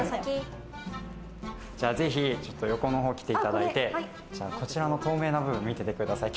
横の方に来ていただいて、こちらの透明な部分見ててください。